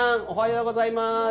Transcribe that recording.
おはようございます。